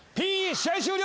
試合終了！